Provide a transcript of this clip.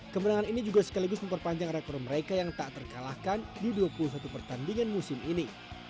kemenangan ini juga sekaligus memperpanjang rekor mereka yang tak terkalahkan di dua puluh satu pertandingan musim ini